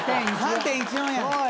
３．１４や。